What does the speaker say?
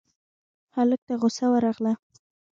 هلک ته غوسه ورغله: